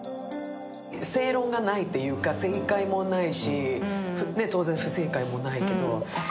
正論がないというか正解もないし、当然不正解もないけど。